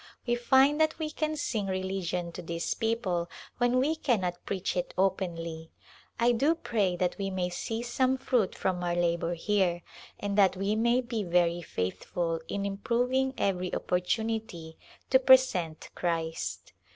We find that we can sing religion to these people when we cannot preach it openly. I do pray that we may see some fruit from our labor here and that we may be very faith ful in improving every opportunity to present Christ.